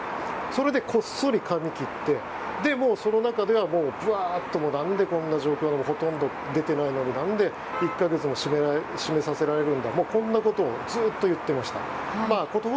それで、こっそり髪を切って、その中ではぶわっと何でこの状況でほとんど出てないのに何で１か月も閉めさせられるんだこんなことをずっと言っていました。